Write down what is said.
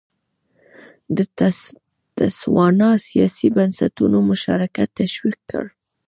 د تسوانا سیاسي بنسټونو مشارکت تشویق کړ.